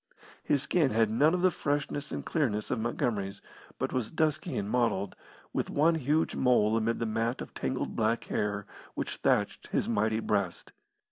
His skin bad none of the freshness and clearness of Montgomery's, but was dusky and mottled, with one huge mole amid the mat of tangled black hair which thatched his mighty breast.